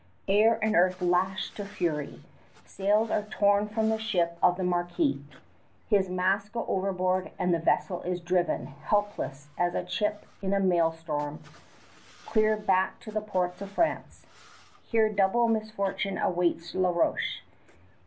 Air and earth lash to fury. Sails are torn from the ship of the marquis. His masts go overboard, and the vessel is driven, helpless as a chip in a maelstrom, clear back to the ports of France. Here double misfortune awaits La Roche.